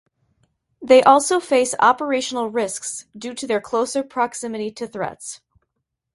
They also face operational risks due to their closer proximity to threats.